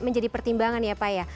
menjadi pertimbangan ya pak ya